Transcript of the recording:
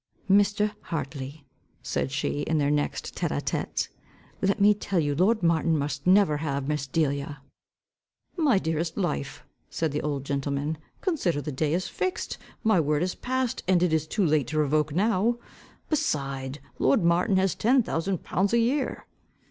"Mr. Hartley," said she, in their next tête a tête, "let me tell you, lord Martin, must never have Miss Delia." "My dearest life," said the old gentleman, "consider, the day is fixed, my word is passed, and it is too late to revoke now. Beside, lord Martin has ten thousand pounds a year."